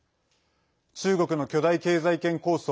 中国の巨大経済圏構想